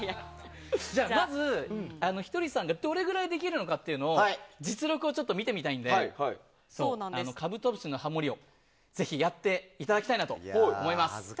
まずひとりさんがどれくらいできるのかの実力をちょっと見てみたいので「カブトムシ」のハモリをやっていただきたいと思います。